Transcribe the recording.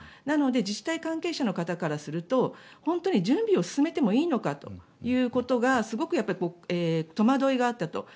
なので自治体関係者の方からすると本当に準備を進めてもいいのかということがすごく戸惑いがあったと。